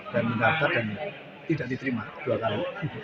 dan tidak diterima dua kali